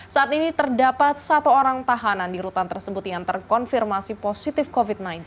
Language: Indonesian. saat ini terdapat satu orang tahanan di rutan tersebut yang terkonfirmasi positif covid sembilan belas